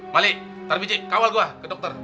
malik tarbiji kawal gue ke dokter